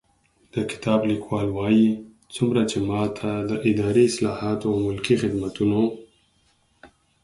د کتاب لیکوال وايي، څومره چې ما ته د اداري اصلاحاتو او ملکي خدمتونو